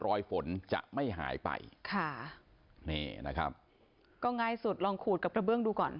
รอยฝนจะไม่หายไปค่ะนี่นะครับก็ง่ายสุดลองขูดกับกระเบื้องดูก่อน